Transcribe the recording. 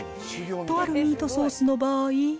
とあるミートソースの場合。